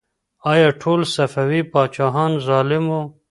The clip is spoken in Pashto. آیا ټول صفوي پاچاهان ظالم وو؟